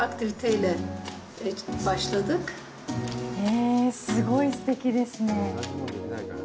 えー、すごいすてきですね。